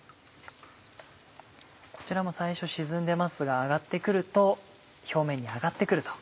こちらも最初沈んでますが揚がって来ると表面に上がって来ると。